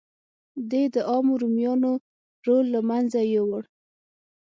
دې د عامو رومیانو رول له منځه یووړ